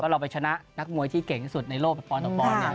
ว่าเราไปชนะนักมวยที่เก่งที่สุดในโลกปอนต์นี้